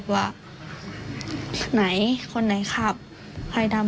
มันเกิดเหตุเป็นเหตุที่บ้านกลัว